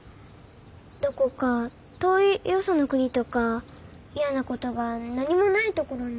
どこか遠いよその国とか嫌なことが何もないところに。